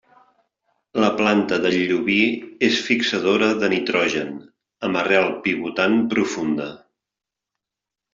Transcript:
La planta del llobí és fixadora de nitrogen amb arrel pivotant profunda.